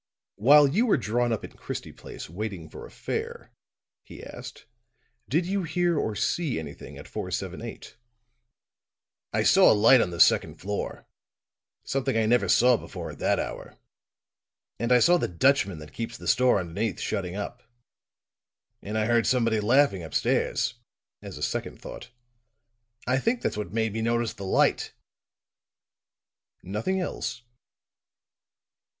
"While you were drawn up in Christie Place, waiting for a fare," he asked, "did you hear or see anything at 478?" "I saw a light on the second floor something I never saw before at that hour. And I saw the Dutchman that keeps the store underneath shutting up. And I heard somebody laughing upstairs," as a second thought. "I think that's what made me notice the light." "Nothing else?"